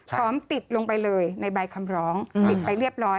อมติดลงไปเลยในใบคำร้องปิดไปเรียบร้อย